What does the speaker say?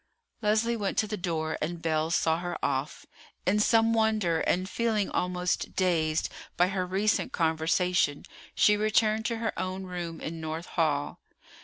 Leslie went to the door, and Belle saw her off. In some wonder, and feeling almost dazed by her recent conversation, she returned to her own room in North Hall.